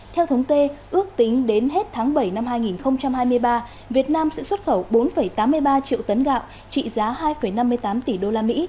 theo thống kê ước tính đến hết tháng bảy năm hai nghìn hai mươi ba việt nam sẽ xuất khẩu bốn tám mươi ba triệu tấn gạo trị giá hai năm mươi tám tỷ usd